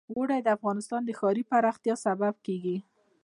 اوړي د افغانستان د ښاري پراختیا سبب کېږي.